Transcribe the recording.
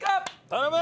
頼む！